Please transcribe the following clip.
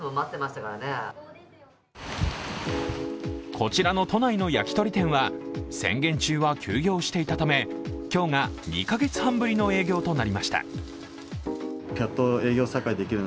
こちらの都内の焼き鳥店は、宣言中は休業していたため今日が２カ月半ぶりの営業となりました。